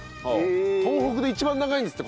東北で一番長いんですって